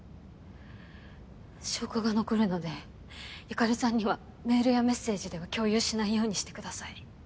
証拠が残るので由香里さんにはメールやメッセージでは共有しないようにしてください。